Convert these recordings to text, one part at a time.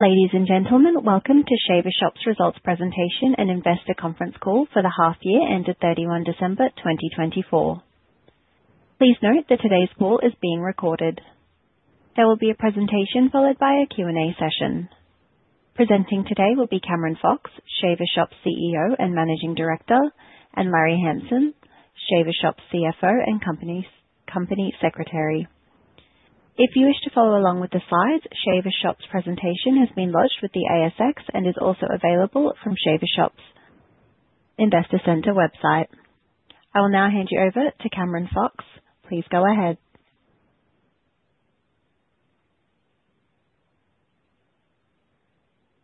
Ladies and gentlemen, welcome to Shaver Shop's results presentation and investor conference call for the half year ended 31 December 2024. Please note that today's call is being recorded. There will be a presentation followed by a Q&A session. Presenting today will be Cameron Fox, Shaver Shop's CEO and Managing Director, and Larry Hamson, Shaver Shop's CFO and Company Secretary. If you wish to follow along with the slides, Shaver Shop's presentation has been lodged with the ASX and is also available from Shaver Shop's Investor Center website. I will now hand you over to Cameron Fox. Please go ahead.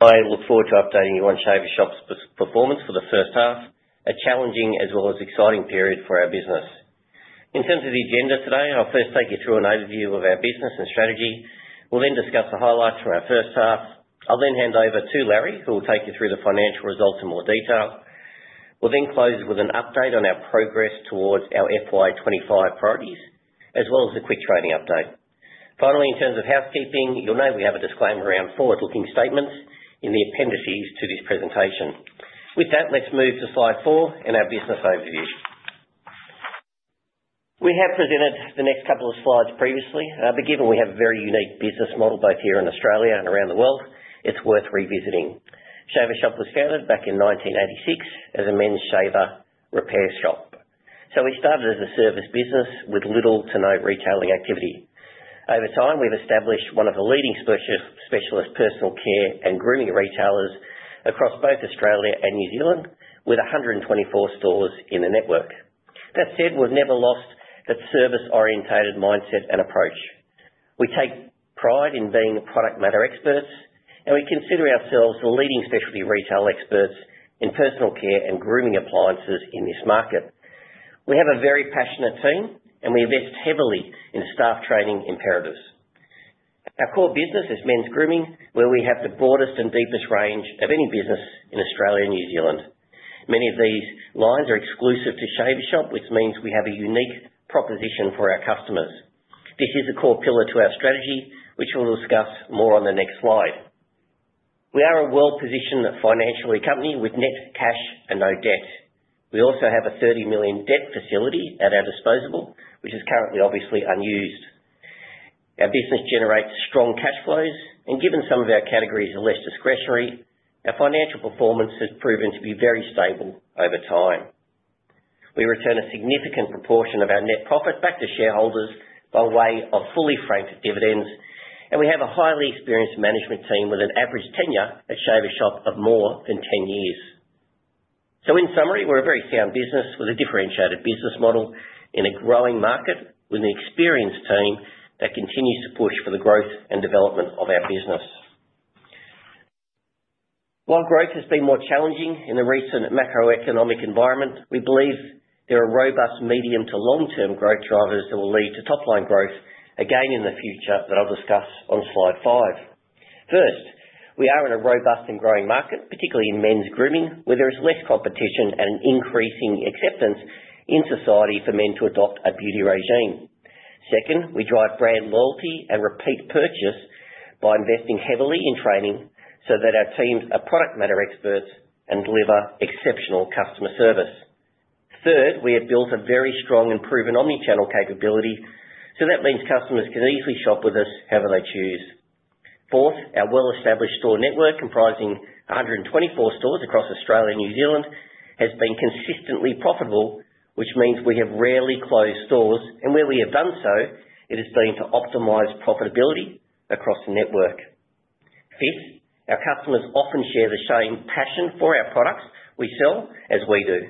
I look forward to updating you on Shaver Shop's performance for the first half, a challenging as well as exciting period for our business. In terms of the agenda today, I'll first take you through an overview of our business and strategy. We'll then discuss the highlights from our first half. I'll then hand over to Larry, who will take you through the financial results in more detail. We'll then close with an update on our progress towards our FY 2025 priorities, as well as a quick training update. Finally, in terms of housekeeping, you'll know we have a disclaimer around forward-looking statements in the appendices to this presentation. With that, let's move to Slide Four and our business overview. We have presented the next couple of slides previously, but given we have a very unique business model both here in Australia and around the world, it's worth revisiting. Shaver Shop was founded back in 1986 as a men's shaver repair shop. We started as a service business with little to no retailing activity. Over time, we've established one of the leading specialist personal care and grooming retailers across both Australia and New Zealand, with 124 stores in the network. That said, we've never lost that service-oriented mindset and approach. We take pride in being product matter experts, and we consider ourselves the leading specialty retail experts in personal care and grooming appliances in this market. We have a very passionate team, and we invest heavily in staff training imperatives. Our core business is men's grooming, where we have the broadest and deepest range of any business in Australia and New Zealand. Many of these lines are exclusive to Shaver Shop, which means we have a unique proposition for our customers. This is a core pillar to our strategy, which we'll discuss more on the next slide. We are a well-positioned financially company with net cash and no debt. We also have a 30 million debt facility at our disposal, which is currently obviously unused. Our business generates strong cash flows, and given some of our categories are less discretionary, our financial performance has proven to be very stable over time. We return a significant proportion of our net profit back to shareholders by way of fully franked dividends, and we have a highly experienced management team with an average tenure at Shaver Shop of more than 10 years. In summary, we're a very sound business with a differentiated business model in a growing market with an experienced team that continues to push for the growth and development of our business. While growth has been more challenging in the recent macroeconomic environment, we believe there are robust medium to long-term growth drivers that will lead to top-line growth again in the future that I'll discuss on Slide Five. First, we are in a robust and growing market, particularly in men's grooming, where there is less competition and an increasing acceptance in society for men to adopt a beauty regime. Second, we drive brand loyalty and repeat purchase by investing heavily in training so that our teams are product matter experts and deliver exceptional customer service. Third, we have built a very strong and proven omnichannel capability, so that means customers can easily shop with us however they choose. Fourth, our well-established store network comprising 124 stores across Australia and New Zealand has been consistently profitable, which means we have rarely closed stores, and where we have done so, it has been to optimize profitability across the network. Fifth, our customers often share the same passion for our products we sell as we do,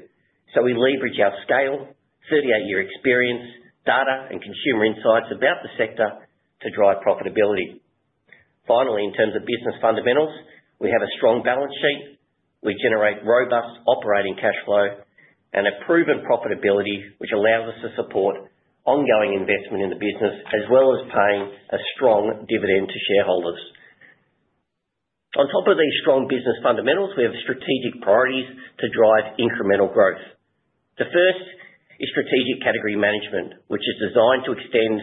so we leverage our scale, 38-year experience, data, and consumer insights about the sector to drive profitability. Finally, in terms of business fundamentals, we have a strong balance sheet, we generate robust operating cash flow, and a proven profitability which allows us to support ongoing investment in the business as well as paying a strong dividend to shareholders. On top of these strong business fundamentals, we have strategic priorities to drive incremental growth. The first is strategic category management, which is designed to extend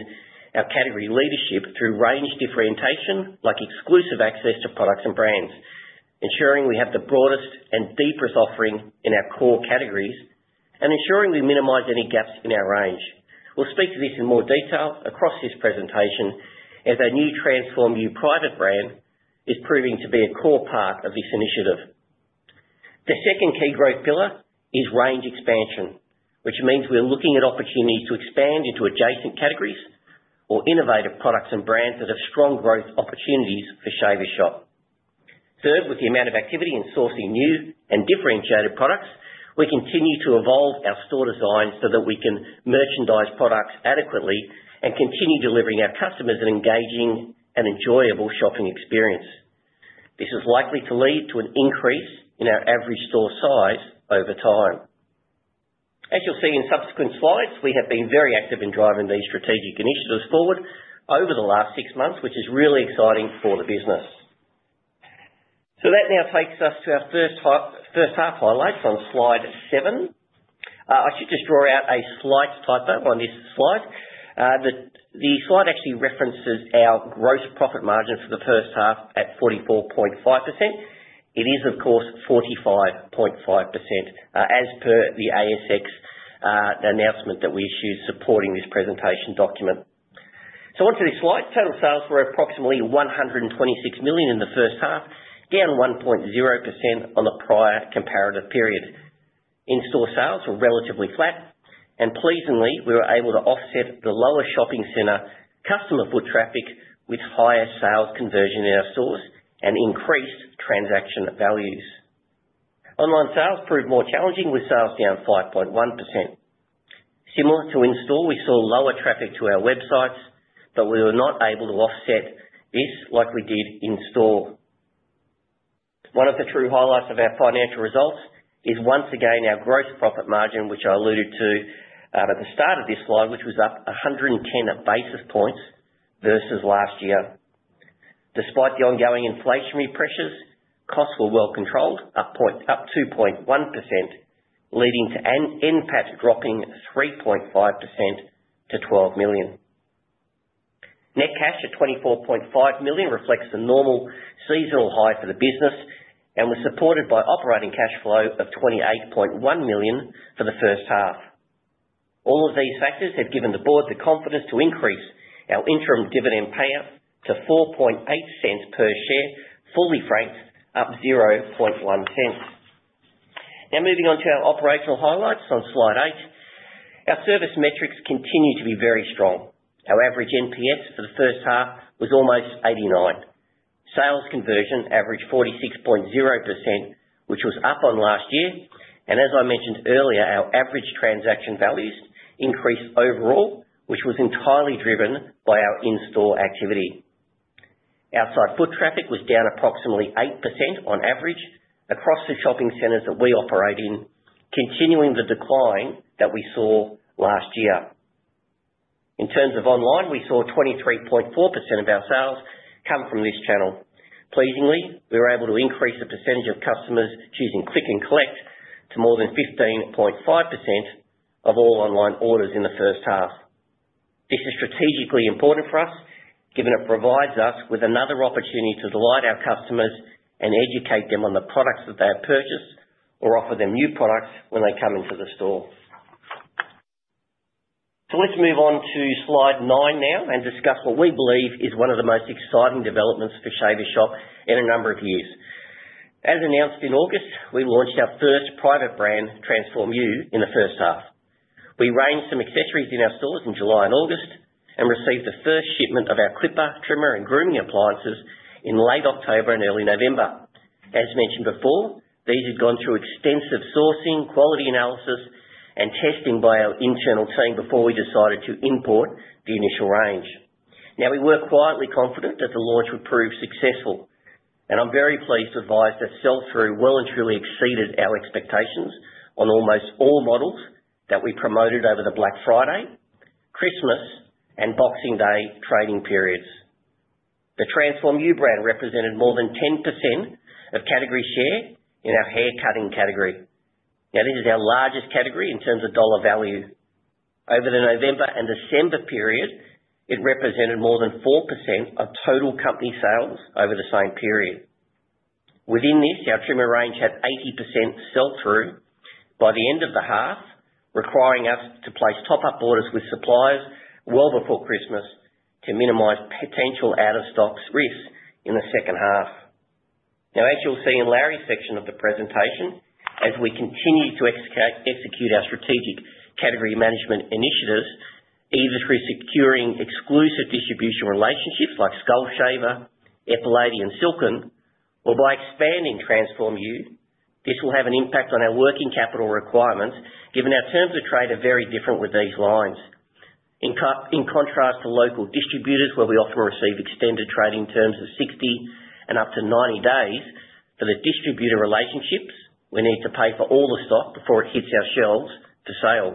our category leadership through range differentiation like exclusive access to products and brands, ensuring we have the broadest and deepest offering in our core categories and ensuring we minimize any gaps in our range. We'll speak to this in more detail across this presentation as our new TRANSFORM-U private brand is proving to be a core part of this initiative. The second key growth pillar is range expansion, which means we're looking at opportunities to expand into adjacent categories or innovative products and brands that have strong growth opportunities for Shaver Shop. Third, with the amount of activity in sourcing new and differentiated products, we continue to evolve our store design so that we can merchandise products adequately and continue delivering our customers an engaging and enjoyable shopping experience. This is likely to lead to an increase in our average store size over time. As you'll see in subsequent slides, we have been very active in driving these strategic initiatives forward over the last six months, which is really exciting for the business. That now takes us to our first half highlights on Slide Seven. I should just draw out a slight typo on this slide. The slide actually references our gross profit margin for the first half at 44.5%. It is, of course, 45.5% as per the ASX announcement that we issued supporting this presentation document. Onto this slide, total sales were approximately 126 million in the first half, down 1.0% on the prior comparative period. In-store sales were relatively flat, and pleasingly, we were able to offset the lower shopping center customer foot traffic with higher sales conversion in our stores and increased transaction values. Online sales proved more challenging with sales down 5.1%. Similar to in-store, we saw lower traffic to our websites, but we were not able to offset this like we did in-store. One of the true highlights of our financial results is once again our gross profit margin, which I alluded to at the start of this slide, which was up 110 basis points versus last year. Despite the ongoing inflationary pressures, costs were well controlled up 2.1%, leading to NPAT dropping 3.5% to 12 million. Net cash at 24.5 million reflects the normal seasonal high for the business, and we are supported by operating cash flow of AUD 28.1 million for the first half. All of these factors have given the board the confidence to increase our interim dividend payout to 0.048 per share, fully franked up 0.001. Now moving on to our operational highlights on Slide Eight, our service metrics continue to be very strong. Our average NPS for the first half was almost 89. Sales conversion averaged 46.0%, which was up on last year. As I mentioned earlier, our average transaction values increased overall, which was entirely driven by our in-store activity. Outside foot traffic was down approximately 8% on average across the shopping centers that we operate in, continuing the decline that we saw last year. In terms of online, we saw 23.4% of our sales come from this channel. Pleasingly, we were able to increase the percentage of customers choosing click and collect to more than 15.5% of all online orders in the first half. This is strategically important for us, given it provides us with another opportunity to delight our customers and educate them on the products that they have purchased or offer them new products when they come into the store. Let's move on to Slide Nine now and discuss what we believe is one of the most exciting developments for Shaver Shop in a number of years. As announced in August, we launched our first private brand, TRANSFORM-U, in the first half. We ranged some accessories in our stores in July and August and received the first shipment of our clipper, trimmer, and grooming appliances in late October and early November. As mentioned before, these had gone through extensive sourcing, quality analysis, and testing by our internal team before we decided to import the initial range. Now we were quietly confident that the launch would prove successful, and I'm very pleased to advise that sell-through well and truly exceeded our expectations on almost all models that we promoted over the Black Friday, Christmas, and Boxing Day trading periods. The TRANSFORM-U brand represented more than 10% of category share in our hair cutting category. Now this is our largest category in terms of dollar value. Over the November and December period, it represented more than 4% of total company sales over the same period. Within this, our trimmer range had 80% sell-through by the end of the half, requiring us to place top-up orders with suppliers well before Christmas to minimize potential out-of-stock risks in the second half. Now, as you'll see in Larry's section of the presentation, as we continue to execute our strategic category management initiatives, either through securing exclusive distribution relationships like Skull Shaver, Epilady, and Silk'n, or by expanding TRANSFORM-U, this will have an impact on our working capital requirements, given our terms of trade are very different with these lines. In contrast to local distributors, where we often receive extended trading terms of 60 and up to 90 days, for the distributor relationships, we need to pay for all the stock before it hits our shelves to sale.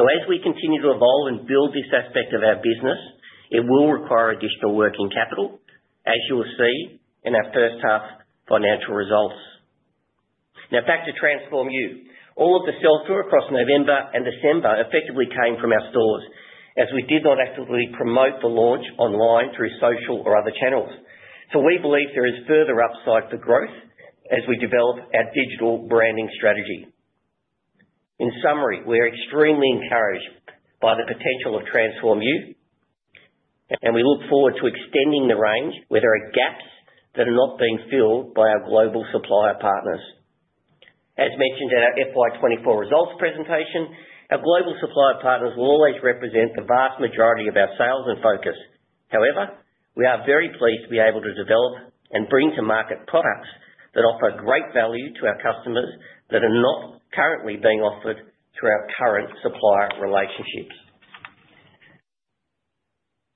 As we continue to evolve and build this aspect of our business, it will require additional working capital, as you will see in our first half financial results. Now back to TRANSFORM-U. All of the sell-through across November and December effectively came from our stores, as we did not actively promote the launch online through social or other channels. We believe there is further upside for growth as we develop our digital branding strategy. In summary, we are extremely encouraged by the potential of TRANSFORM-U, and we look forward to extending the range where there are gaps that are not being filled by our global supplier partners. As mentioned in our FY 2024 results presentation, our global supplier partners will always represent the vast majority of our sales and focus. However, we are very pleased to be able to develop and bring to market products that offer great value to our customers that are not currently being offered through our current supplier relationships.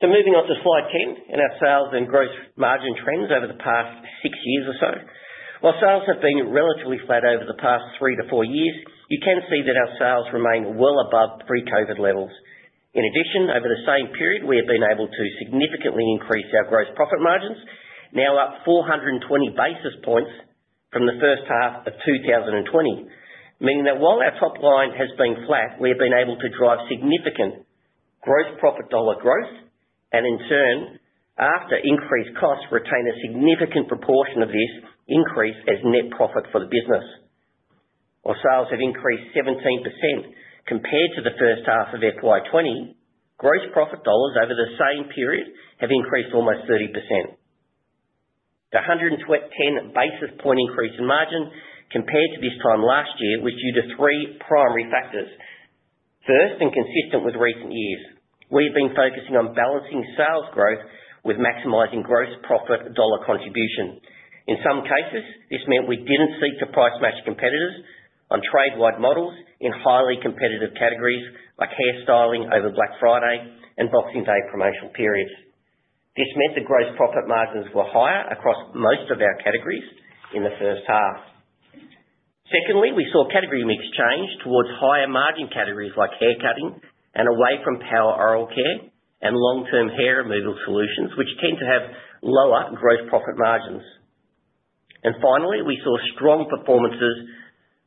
Moving on to Slide 10 in our sales and gross margin trends over the past six years or so. While sales have been relatively flat over the past three to four years, you can see that our sales remain well above pre-COVID levels. In addition, over the same period, we have been able to significantly increase our gross profit margins, now up 420 basis points from the first half of 2020, meaning that while our top line has been flat, we have been able to drive significant gross profit dollar growth and, in turn, after increased costs, retain a significant proportion of this increase as net profit for the business. While sales have increased 17% compared to the first half of FY 2020, gross profit dollars over the same period have increased almost 30%. The 110 basis point increase in margin compared to this time last year was due to three primary factors. First, and consistent with recent years, we've been focusing on balancing sales growth with maximizing gross profit dollar contribution. In some cases, this meant we didn't seek to price match competitors on trade-wide models in highly competitive categories like hair styling over Black Friday and Boxing Day promotional periods. This meant the gross profit margins were higher across most of our categories in the first half. Secondly, we saw category mix change towards higher margin categories like hair cutting and away from power oral care and long-term hair removal solutions, which tend to have lower gross profit margins. Finally, we saw strong performances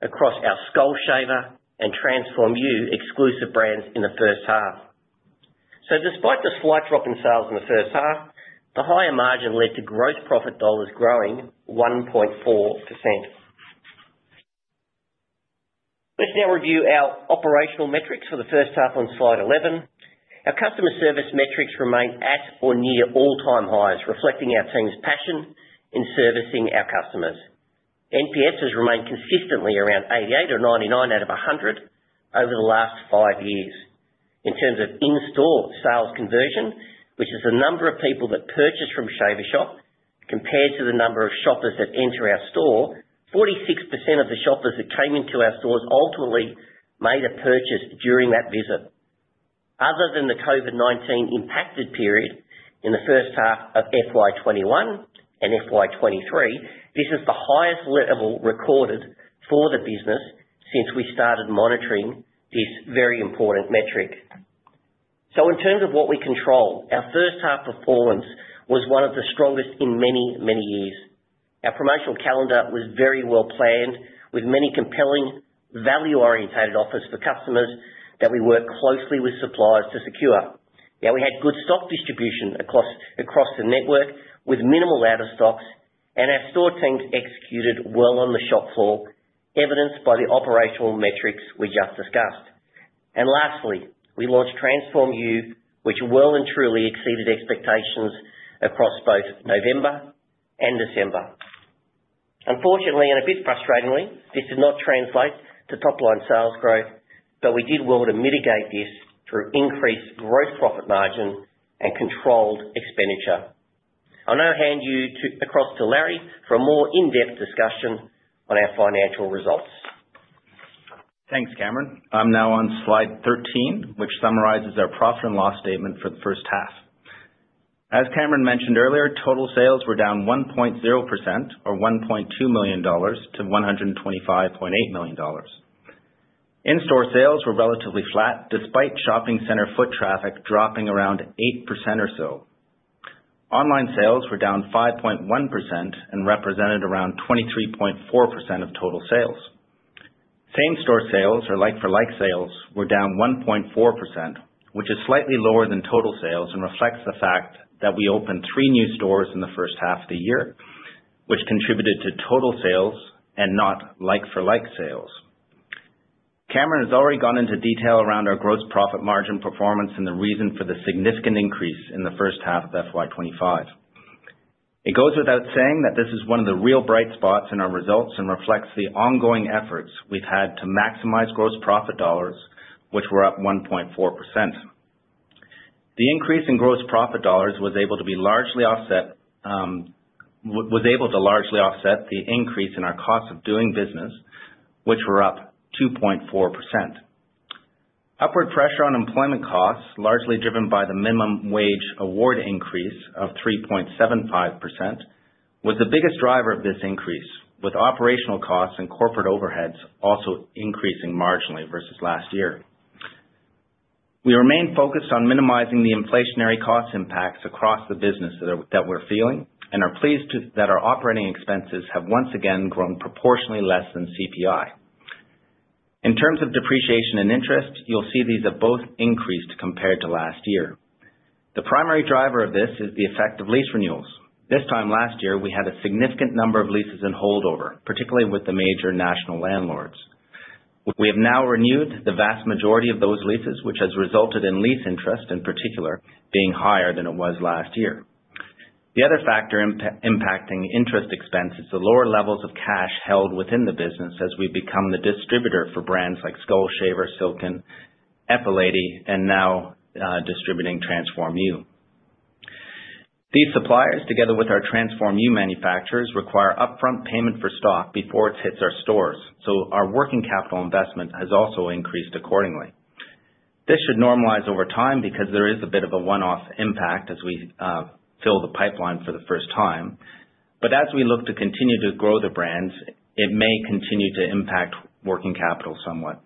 across our Skull Shaver and TRANSFORM-U exclusive brands in the first half. Despite the slight drop in sales in the first half, the higher margin led to gross profit dollars growing 1.4%. Let's now review our operational metrics for the first half on Slide 11. Our customer service metrics remain at or near all-time highs, reflecting our team's passion in servicing our customers. NPS has remained consistently around 88 or 89 out of 100 over the last five years. In terms of in-store sales conversion, which is the number of people that purchase from Shaver Shop compared to the number of shoppers that enter our store, 46% of the shoppers that came into our stores ultimately made a purchase during that visit. Other than the COVID-19 impacted period in the first half of FY 2021 and FY 2023, this is the highest level recorded for the business since we started monitoring this very important metric. In terms of what we control, our first half performance was one of the strongest in many, many years. Our promotional calendar was very well planned with many compelling value-orientated offers for customers that we worked closely with suppliers to secure. We had good stock distribution across the network with minimal out-of-stocks, and our store teams executed well on the shop floor, evidenced by the operational metrics we just discussed. Lastly, we launched TRANSFORM-U, which well and truly exceeded expectations across both November and December. Unfortunately and a bit frustratingly, this did not translate to top-line sales growth, but we did well to mitigate this through increased gross profit margin and controlled expenditure. I'll now hand you across to Larry for a more in-depth discussion on our financial results. Thanks, Cameron. I'm now on Slide 13, which summarizes our profit and loss statement for the first half. As Cameron mentioned earlier, total sales were down 1.0% or 1.2 million dollars to 125.8 million dollars. In-store sales were relatively flat despite shopping center foot traffic dropping around 8% or so. Online sales were down 5.1% and represented around 23.4% of total sales. Same-store sales or like-for-like sales were down 1.4%, which is slightly lower than total sales and reflects the fact that we opened three new stores in the first half of the year, which contributed to total sales and not like-for-like sales. Cameron has already gone into detail around our gross profit margin performance and the reason for the significant increase in the first half of FY 2025. It goes without saying that this is one of the real bright spots in our results and reflects the ongoing efforts we've had to maximize gross profit dollars, which were up 1.4%. The increase in gross profit dollars was able to be largely offset the increase in our cost of doing business, which were up 2.4%. Upward pressure on employment costs, largely driven by the minimum wage award increase of 3.75%, was the biggest driver of this increase, with operational costs and corporate overheads also increasing marginally versus last year. We remain focused on minimizing the inflationary cost impacts across the business that we're feeling and are pleased that our operating expenses have once again grown proportionally less than CPI. In terms of depreciation and interest, you'll see these have both increased compared to last year. The primary driver of this is the effect of lease renewals. This time last year, we had a significant number of leases in holdover, particularly with the major national landlords. We have now renewed the vast majority of those leases, which has resulted in lease interest in particular being higher than it was last year. The other factor impacting interest expense is the lower levels of cash held within the business as we become the distributor for brands like Skull Shaver, Silk'n, Epilady, and now distributing TRANSFORM-U. These suppliers, together with our TRANSFORM-U manufacturers, require upfront payment for stock before it hits our stores, so our working capital investment has also increased accordingly. This should normalize over time because there is a bit of a one-off impact as we fill the pipeline for the first time. As we look to continue to grow the brands, it may continue to impact working capital somewhat.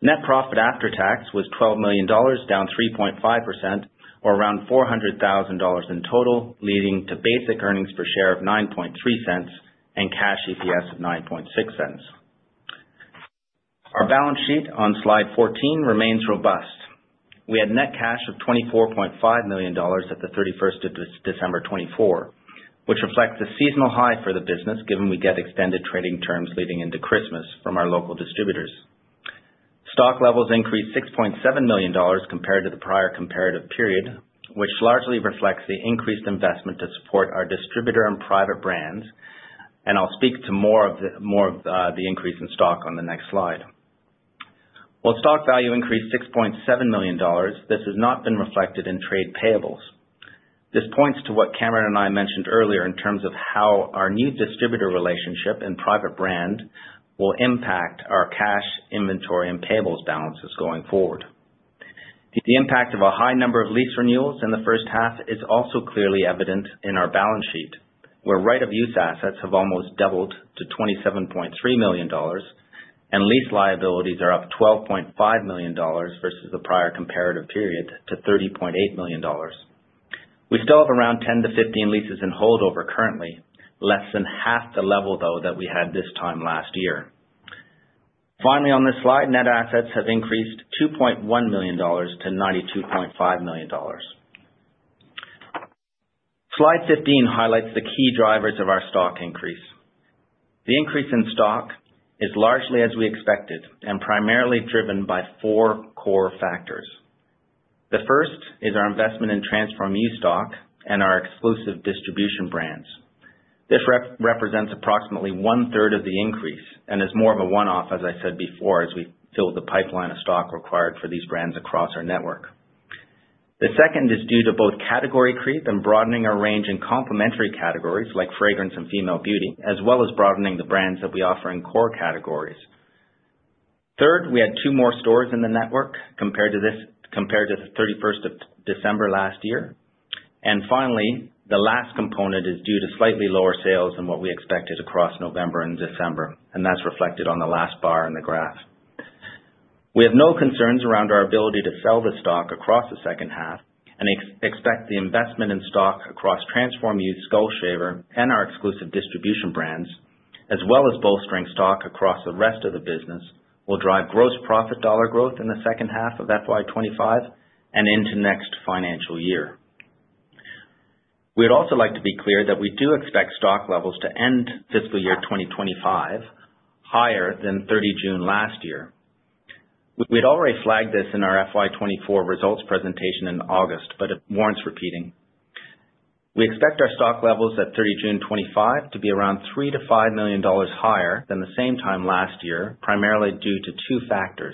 Net profit after tax was 12 million dollars, down 3.5%, or around 400,000 dollars in total, leading to basic earnings per share of 0.093 and cash EPS of 0.096. Our balance sheet on Slide 14 remains robust. We had net cash of 24.5 million dollars at the 31st of December 2024, which reflects a seasonal high for the business, given we get extended trading terms leading into Christmas from our local distributors. Stock levels increased 6.7 million dollars compared to the prior comparative period, which largely reflects the increased investment to support our distributor and private brands, and I'll speak to more of the increase in stock on the next slide. While stock value increased 6.7 million dollars, this has not been reflected in trade payables. This points to what Cameron and I mentioned earlier in terms of how our new distributor relationship and private brand will impact our cash, inventory, and payables balances going forward. The impact of a high number of lease renewals in the first half is also clearly evident in our balance sheet, where right-of-use assets have almost doubled to 27.3 million dollars, and lease liabilities are up 12.5 million dollars versus the prior comparative period to 30.8 million dollars. We still have around 10-15 leases in holdover currently, less than half the level, though, that we had this time last year. Finally, on this slide, net assets have increased 2.1 million dollars to 92.5 million dollars. Slide 15 highlights the key drivers of our stock increase. The increase in stock is largely as we expected and primarily driven by four core factors. The first is our investment in TRANSFORM-U stock and our exclusive distribution brands. This represents approximately 1/3 of the increase and is more of a one-off, as I said before, as we filled the pipeline of stock required for these brands across our network. The second is due to both category creep and broadening our range in complementary categories like fragrance and female beauty, as well as broadening the brands that we offer in core categories. Third, we had two more stores in the network compared to the 31st of December last year. Finally, the last component is due to slightly lower sales than what we expected across November and December, and that is reflected on the last bar in the graph. We have no concerns around our ability to sell the stock across the second half and expect the investment in stock across TRANSFORM-U, Skull Shaver, and our exclusive distribution brands, as well as bolstering stock across the rest of the business, will drive gross profit dollar growth in the second half of FY 2025 and into next financial year. We'd also like to be clear that we do expect stock levels to end fiscal year 2025 higher than 30 June last year. We'd already flagged this in our FY 2024 results presentation in August, but it warrants repeating. We expect our stock levels at 30 June 2025 to be around 3 million-5 million dollars higher than the same time last year, primarily due to two factors.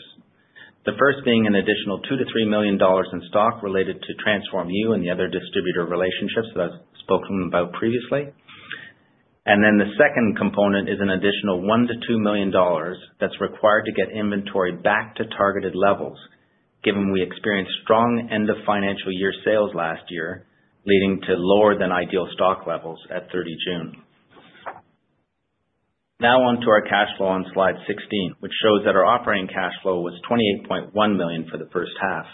The first being an additional 2 million-3 million dollars in stock related to TRANSFORM-U and the other distributor relationships that I've spoken about previously. The second component is an additional 1 million-2 million dollars that's required to get inventory back to targeted levels, given we experienced strong end-of-financial-year sales last year, leading to lower-than-ideal stock levels at 30 June. Now onto our cash flow on Slide 16, which shows that our operating cash flow was 28.1 million for the first half.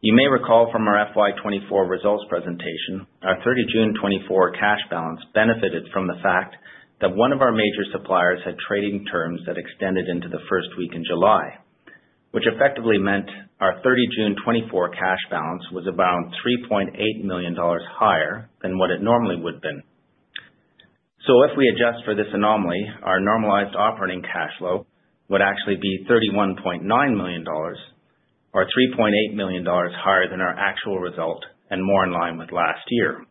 You may recall from our FY 2024 results presentation, our 30 June 2024 cash balance benefited from the fact that one of our major suppliers had trading terms that extended into the first week in July, which effectively meant our 30 June 2024 cash balance was about 3.8 million dollars higher than what it normally would have been. If we adjust for this anomaly, our normalized operating cash flow would actually be 31.9 million dollars, or 3.8 million dollars higher than our actual result and more in line with last year.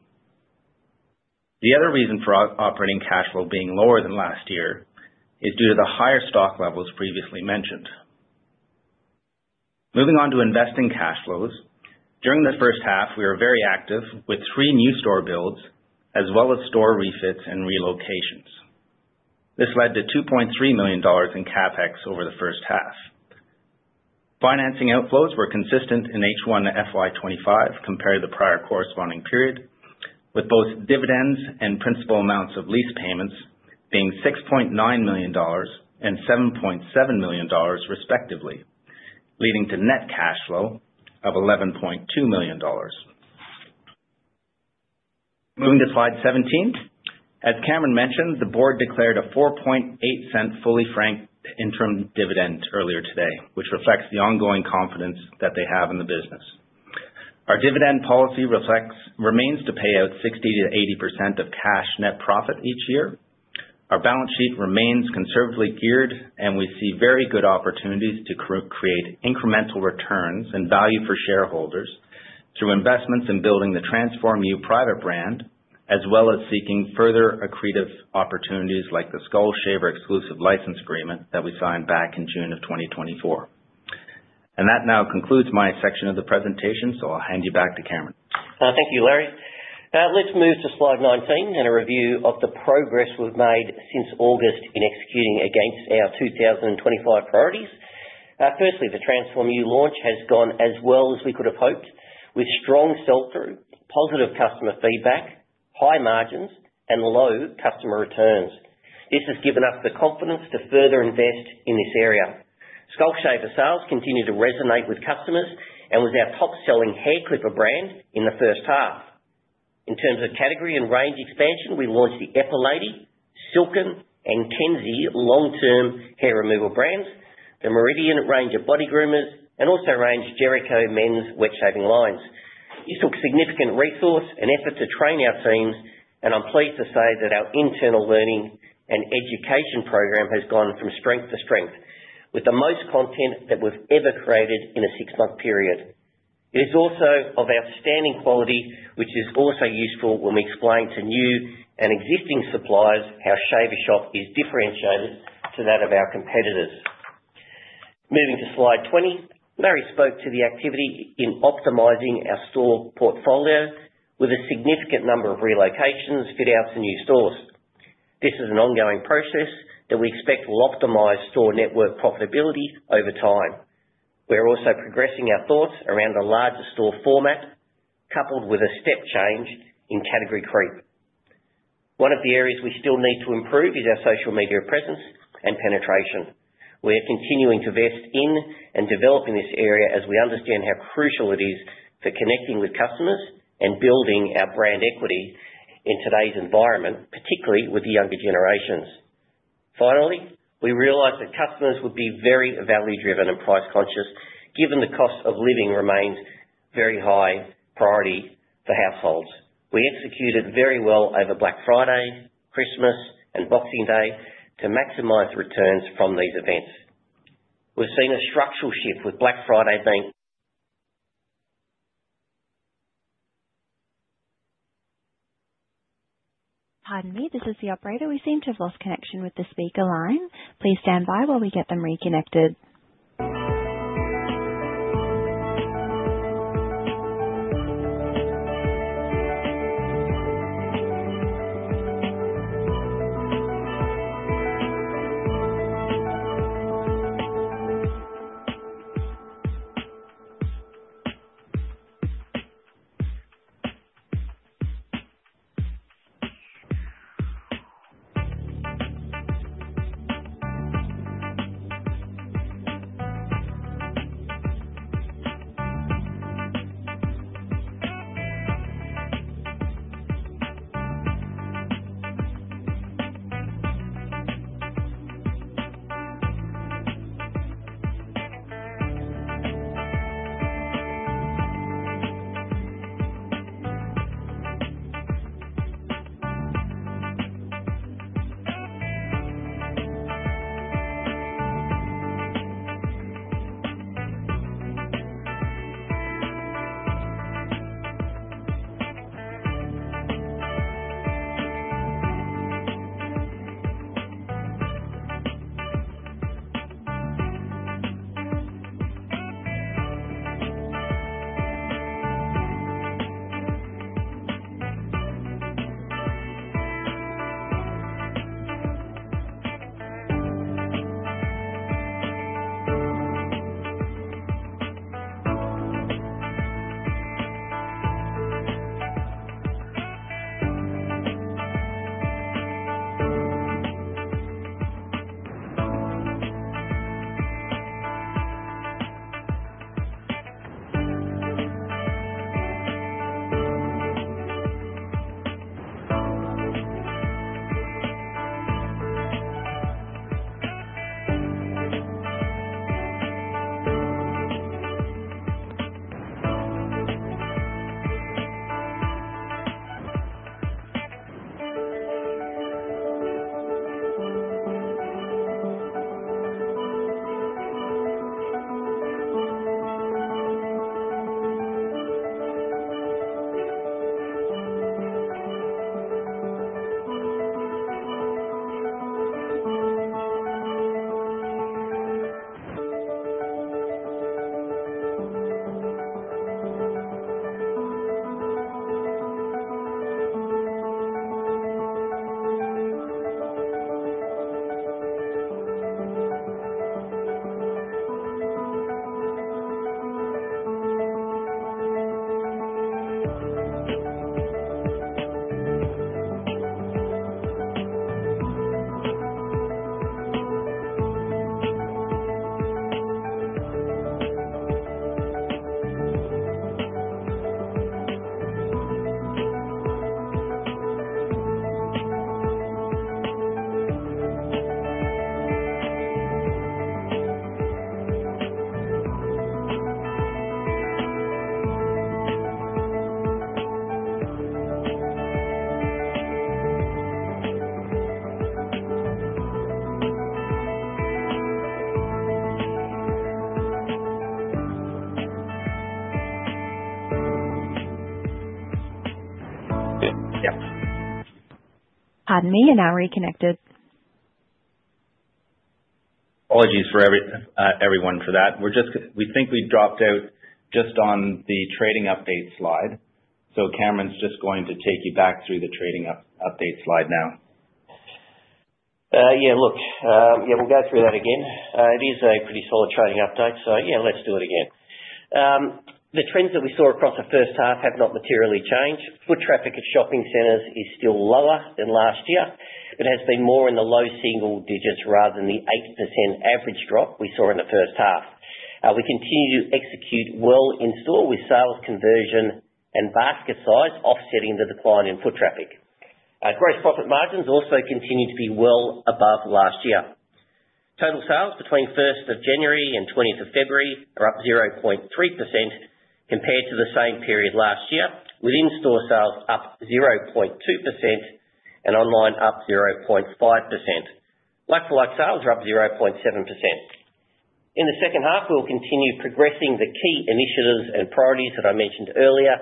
The other reason for operating cash flow being lower than last year is due to the higher stock levels previously mentioned. Moving on to investing cash flows, during the first half, we were very active with three new store builds as well as store refits and relocations. This led to 2.3 million dollars in CapEx over the first half. Financing outflows were consistent in H1 to FY 2025 compared to the prior corresponding period, with both dividends and principal amounts of lease payments being 6.9 million dollars and 7.7 million dollars respectively, leading to net cash flow of 11.2 million dollars. Moving to Slide 17, as Cameron mentioned, the board declared a 0.048 fully franked interim dividend earlier today, which reflects the ongoing confidence that they have in the business. Our dividend policy remains to pay out 60%-80% of cash net profit each year. Our balance sheet remains conservatively geared, and we see very good opportunities to create incremental returns and value for shareholders through investments in building the TRANSFORM-U private brand, as well as seeking further accretive opportunities like the Skull Shaver exclusive license agreement that we signed back in June of 2024. That now concludes my section of the presentation, so I'll hand you back to Cameron. Thank you, Larry. Let's move to Slide 19 and a review of the progress we've made since August in executing against our 2025 priorities. Firstly, the TRANSFORM-U launch has gone as well as we could have hoped, with strong sell-through, positive customer feedback, high margins, and low customer returns. This has given us the confidence to further invest in this area. Skull Shaver sales continue to resonate with customers and was our top-selling hair clipper brand in the first half. In terms of category and range expansion, we launched the Epilady, Silk'n, and KENZZI long-term hair removal brands, the Meridian range of body groomers, and also range Jericho men's wet shaving lines. This took significant resource and effort to train our teams, and I'm pleased to say that our internal learning and education program has gone from strength to strength, with the most content that we've ever created in a six-month period. It is also of outstanding quality, which is also useful when we explain to new and existing suppliers how Shaver Shop is differentiated to that of our competitors. Moving to Slide 20, Larry spoke to the activity in optimizing our store portfolio with a significant number of relocations, fit-outs, and new stores. This is an ongoing process that we expect will optimize store network profitability over time. We're also progressing our thoughts around a larger store format, coupled with a step change in category creep. One of the areas we still need to improve is our social media presence and penetration. We are continuing to invest in and develop in this area as we understand how crucial it is for connecting with customers and building our brand equity in today's environment, particularly with the younger generations. Finally, we realized that customers would be very value-driven and price-conscious, given the cost of living remains a very high priority for households. We executed very well over Black Friday, Christmas, and Boxing Day to maximize returns from these events. We've seen a structural shift with Black Friday being. Pardon me, this is the operator. We seem to have lost connection with the speaker line. Please stand by while we get them reconnected. Yep. Yep. Pardon me, and now reconnected. Apologies for everyone for that. We think we dropped out just on the trading update slide, so Cameron's just going to take you back through the trading update slide now. Yeah, look, we'll go through that again. It is a pretty solid trading update, so let's do it again. The trends that we saw across the first half have not materially changed. Foot traffic at shopping centers is still lower than last year, but has been more in the low single digits rather than the 8% average drop we saw in the first half. We continue to execute well in store with sales conversion and basket size offsetting the decline in foot traffic. Gross profit margins also continue to be well above last year. Total sales between 1st of January and 20th of February are up 0.3% compared to the same period last year, with in-store sales up 0.2% and online up 0.5%. Like-for-like sales are up 0.7%. In the second half, we'll continue progressing the key initiatives and priorities that I mentioned earlier,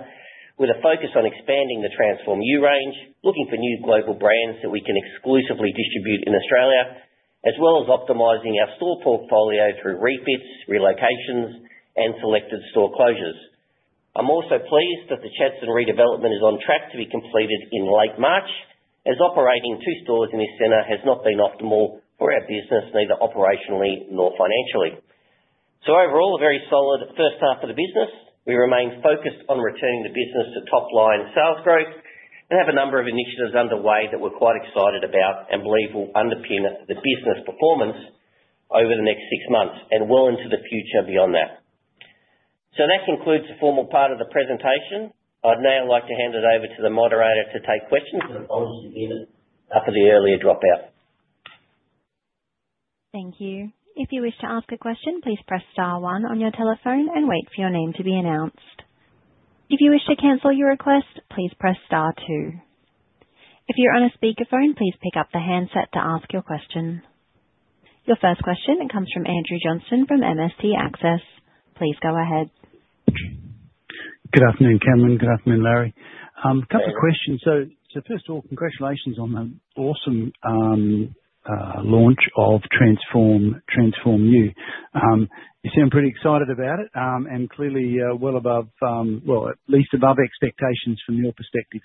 with a focus on expanding the TRANSFORM-U range, looking for new global brands that we can exclusively distribute in Australia, as well as optimizing our store portfolio through refits, relocations, and selected store closures. I'm also pleased that the Chadstone redevelopment is on track to be completed in late March, as operating two stores in this center has not been optimal for our business, neither operationally nor financially. Overall, a very solid first half of the business. We remain focused on returning the business to top-line sales growth and have a number of initiatives underway that we're quite excited about and believe will underpin the business performance over the next six months and well into the future beyond that. That concludes the formal part of the presentation. I would now like to hand it over to the moderator to take questions. Apologies for the earlier dropout. Thank you. If you wish to ask a question, please press star one on your telephone and wait for your name to be announced. If you wish to cancel your request, please press star two. If you're on a speakerphone, please pick up the handset to ask your question. Your first question, it comes from Andrew Johnston from MST Financial. Please go ahead. Good afternoon, Cameron. Good afternoon, Larry. A couple of questions. First of all, congratulations on the awesome launch of TRANSFORM-U. You seem pretty excited about it and clearly well above, well, at least above expectations from your perspective.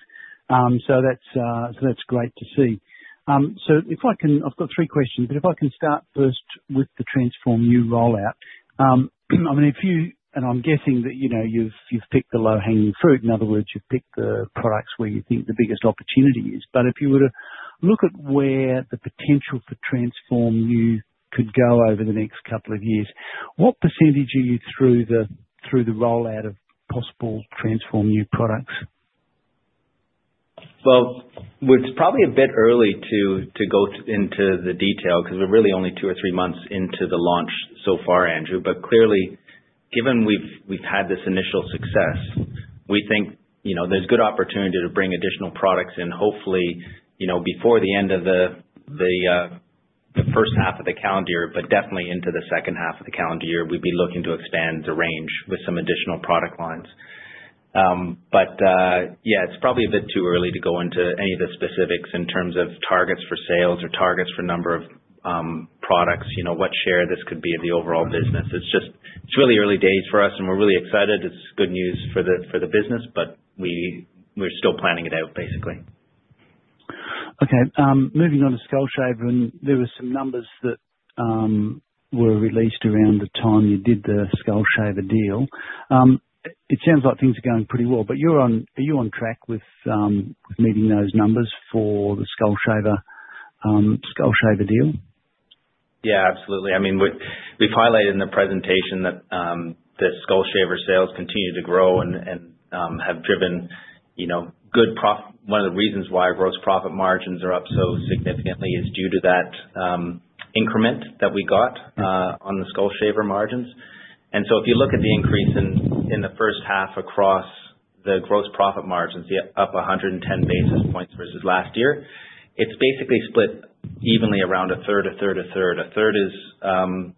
That is great to see. If I can, I have three questions, but if I can start first with the TRANSFORM-U rollout. I mean, if you and I am guessing that you have picked the low-hanging fruit, in other words, you have picked the products where you think the biggest opportunity is. If you were to look at where the potential for TRANSFORM-U could go over the next couple of years, what percentage are you through the rollout of possible TRANSFORM-U products? It's probably a bit early to go into the detail because we're really only two or three months into the launch so far, Andrew. Clearly, given we've had this initial success, we think there's good opportunity to bring additional products in, hopefully before the end of the first half of the calendar year, but definitely into the second half of the calendar year, we'd be looking to expand the range with some additional product lines. Yeah, it's probably a bit too early to go into any of the specifics in terms of targets for sales or targets for number of products, what share this could be of the overall business. It's really early days for us, and we're really excited. It's good news for the business, but we're still planning it out, basically. Okay. Moving on to Skull Shaver, and there were some numbers that were released around the time you did the Skull Shaver deal. It sounds like things are going pretty well, but are you on track with meeting those numbers for the Skull Shaver deal? Yeah, absolutely. I mean, we've highlighted in the presentation that the Skull Shaver sales continue to grow and have driven good profit. One of the reasons why gross profit margins are up so significantly is due to that increment that we got on the Skull Shaver margins. If you look at the increase in the first half across the gross profit margins, up 110 basis points versus last year, it's basically split evenly around a third, a third, a third. A third is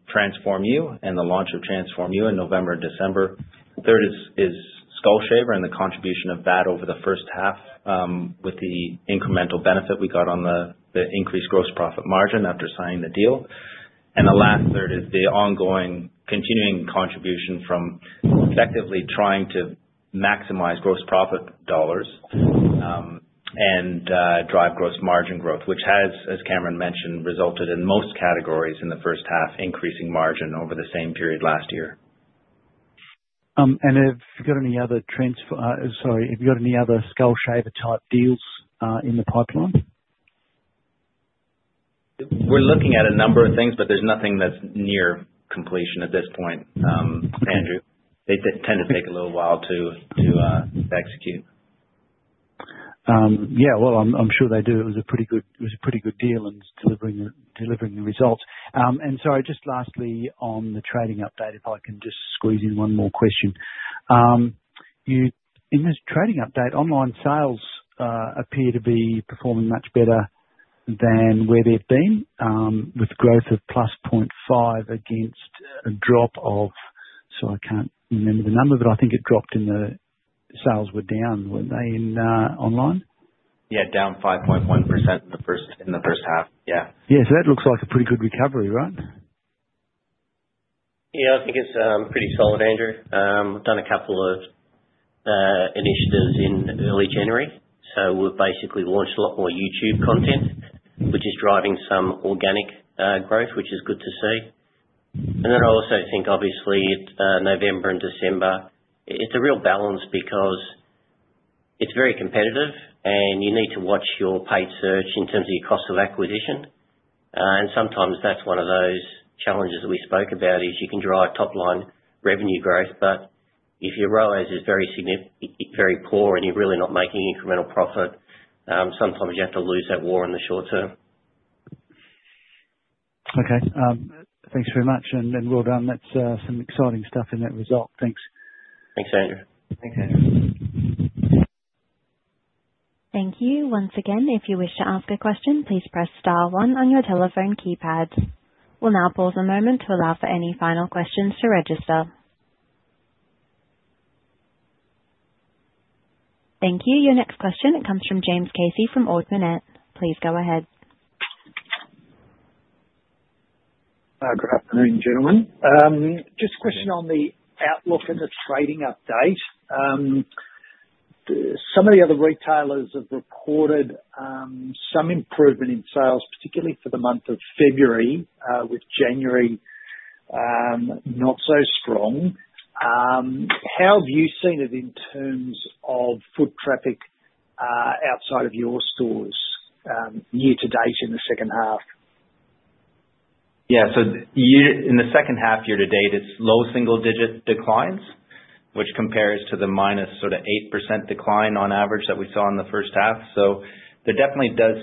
TRANSFORM-U and the launch of TRANSFORM-U in November and December. A third is Skull Shaver and the contribution of that over the first half with the incremental benefit we got on the increased gross profit margin after signing the deal. The last third is the ongoing continuing contribution from effectively trying to maximize gross profit dollars and drive gross margin growth, which has, as Cameron mentioned, resulted in most categories in the first half increasing margin over the same period last year. Have you got any other Skull Shaver-type deals in the pipeline? We're looking at a number of things, but there's nothing that's near completion at this point, Andrew. They tend to take a little while to execute. Yeah, I am sure they do. It was a pretty good deal in delivering the results. Sorry, just lastly on the trading update, if I can just squeeze in one more question. In this trading update, online sales appear to be performing much better than where they have been, with growth of +0.5 against a drop of, sorry, I cannot remember the number, but I think it dropped in the sales were down, were they, online? Yeah, down 5.1% in the first half. Yeah. Yeah, so that looks like a pretty good recovery, right? Yeah, I think it's pretty solid, Andrew. We've done a couple of initiatives in early January. We've basically launched a lot more YouTube content, which is driving some organic growth, which is good to see. I also think, obviously, November and December, it's a real balance because it's very competitive, and you need to watch your paid search in terms of your cost of acquisition. Sometimes that's one of those challenges that we spoke about, is you can drive top-line revenue growth, but if your ROAS is very poor and you're really not making incremental profit, sometimes you have to lose that war in the short term. Okay. Thanks very much, and well done. That's some exciting stuff in that result. Thanks. Thanks, Andrew. Thank you. Once again, if you wish to ask a question, please press star one on your telephone keypad. We'll now pause a moment to allow for any final questions to register. Thank you. Your next question, it comes from James Casey from Ord Minnett. Please go ahead. Good afternoon, gentlemen. Just a question on the outlook and the trading update. Some of the other retailers have reported some improvement in sales, particularly for the month of February, with January not so strong. How have you seen it in terms of foot traffic outside of your stores year-to-date in the second half? Yeah, in the second half year-to-date, it's low single-digit declines, which compares to the -8% decline on average that we saw in the first half. There definitely does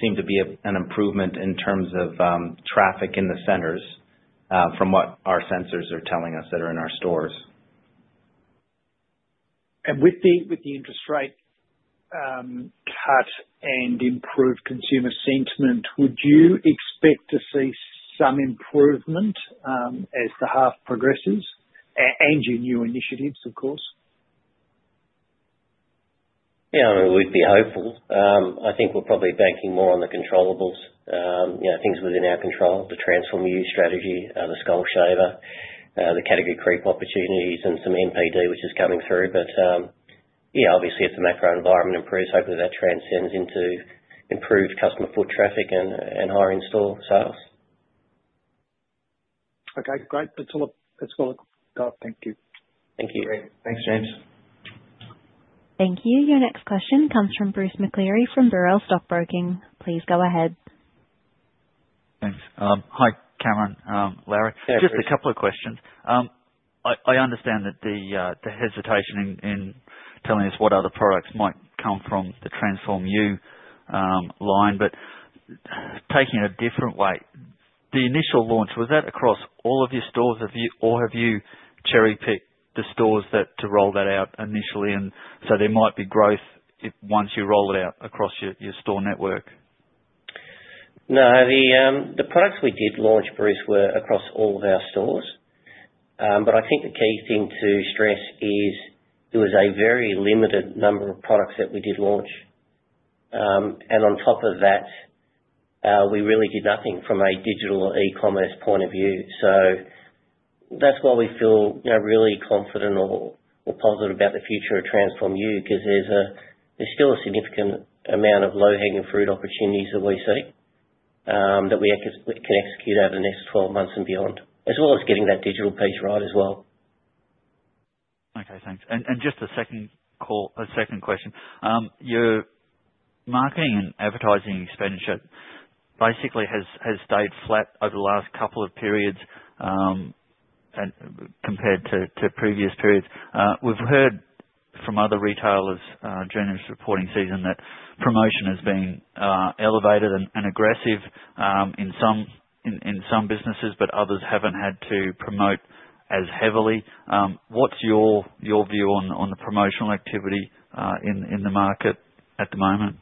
seem to be an improvement in terms of traffic in the centers from what our sensors are telling us that are in our stores. With the interest rate cut and improved consumer sentiment, would you expect to see some improvement as the half progresses? And your new initiatives, of course. Yeah, I mean, we'd be hopeful. I think we're probably banking more on the controllables, things within our control: the TRANSFORM-U strategy, the Skull Shaver, the Category Creep opportunities, and some NPD, which is coming through. Yeah, obviously, if the macro environment improves, hopefully that transcends into improved customer foot traffic and higher in-store sales. Okay, great. That's all I've got. Thank you. Thank you. Thanks, James. Thank you. Your next question comes from Bruce McLeary from Burrell Stockbroking & Wealth Management. Please go ahead. Thanks. Hi, Cameron, Larry. Just a couple of questions. I understand that the hesitation in telling us what other products might come from the TRANSFORM-U line, but taking it a different way, the initial launch, was that across all of your stores, or have you cherry-picked the stores to roll that out initially? There might be growth once you roll it out across your store network. No, the products we did launch, Bruce, were across all of our stores. I think the key thing to stress is it was a very limited number of products that we did launch. On top of that, we really did nothing from a digital e-commerce point of view. That is why we feel really confident or positive about the future of TRANSFORM-U because there is still a significant amount of low-hanging fruit opportunities that we see that we can execute over the next 12 months and beyond, as well as getting that digital piece right as well. Okay, thanks. Just a second question. Your marketing and advertising expenditure basically has stayed flat over the last couple of periods compared to previous periods. We've heard from other retailers during this reporting season that promotion has been elevated and aggressive in some businesses, but others haven't had to promote as heavily. What's your view on the promotional activity in the market at the moment?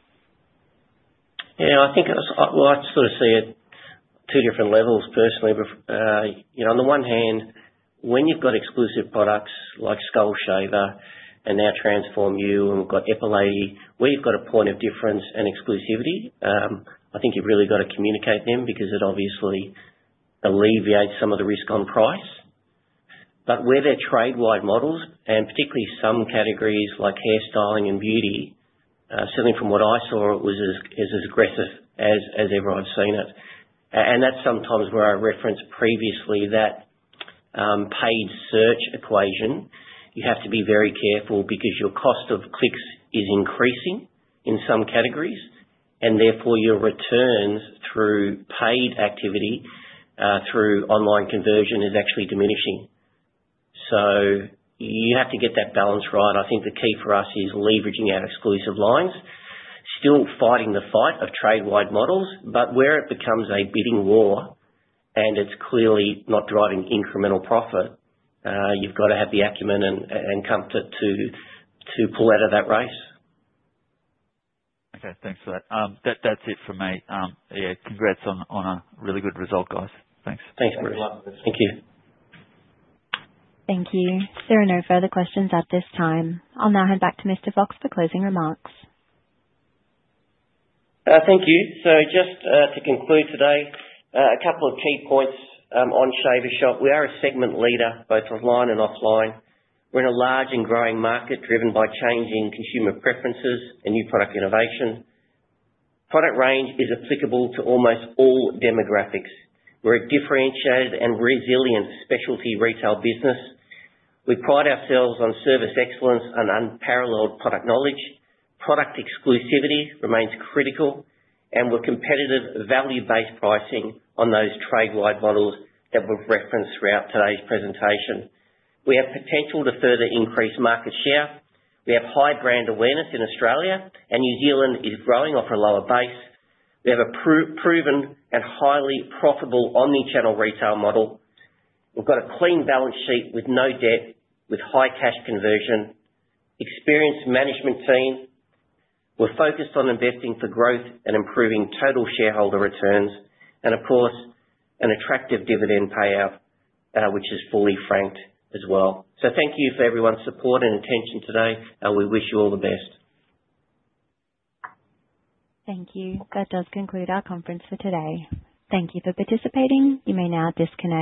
Yeah, I think it's, I sort of see it at two different levels, personally. On the one hand, when you've got exclusive products like Skull Shaver and now TRANSFORM-U and we've got Epilady, where you've got a point of difference and exclusivity, I think you've really got to communicate them because it obviously alleviates some of the risk on price. Where they're trade-wide models, and particularly some categories like hairstyling and beauty, certainly from what I saw, it was as aggressive as ever I've seen it. That's sometimes where I referenced previously that paid search equation. You have to be very careful because your cost of clicks is increasing in some categories, and therefore your returns through paid activity through online conversion is actually diminishing. You have to get that balance right. I think the key for us is leveraging our exclusive lines, still fighting the fight of trade-wide models, but where it becomes a bidding war and it's clearly not driving incremental profit, you've got to have the acumen and comfort to pull out of that race. Okay, thanks for that. That's it for me. Yeah, congrats on a really good result, guys. Thanks. Thanks, Bruce. Thank you. Thank you. There are no further questions at this time. I'll now hand back to Mr. Fox for closing remarks. Thank you. Just to conclude today, a couple of key points on Shaver Shop. We are a segment leader, both online and offline. We are in a large and growing market driven by changing consumer preferences and new product innovation. Product range is applicable to almost all demographics. We are a differentiated and resilient specialty retail business. We pride ourselves on service excellence and unparalleled product knowledge. Product exclusivity remains critical, and we are competitive value-based pricing on those trade-wide models that we have referenced throughout today's presentation. We have potential to further increase market share. We have high brand awareness in Australia, and New Zealand is growing off a lower base. We have a proven and highly profitable omnichannel retail model. We have a clean balance sheet with no debt, with high cash conversion, experienced management team. We're focused on investing for growth and improving total shareholder returns, and of course, an attractive dividend payout, which is fully franked as well. Thank you for everyone's support and attention today, and we wish you all the best. Thank you. That does conclude our conference for today. Thank you for participating. You may now disconnect.